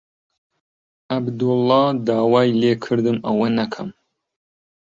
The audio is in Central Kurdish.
عەبدوڵڵا داوای لێ کردم ئەوە نەکەم.